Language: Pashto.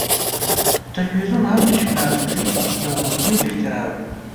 ټلویزیون هم د ټیکنالوژۍ یو مهم اختراع وه.